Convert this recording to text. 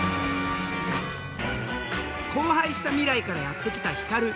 荒廃した未来からやって来たヒカル。